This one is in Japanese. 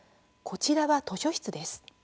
こちらは図書室です。